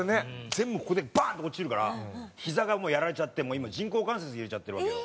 全部ここでバーンって落ちるからひざがやられちゃって今人工関節入れちゃってるわけよ。